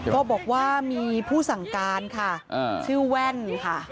ก็บอกว่ามีผู้สั่งการค่ะชื่อแว่นค่ะ